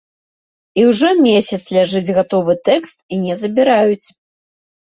І ўжо месяц ляжыць гатовы тэкст і не забіраюць.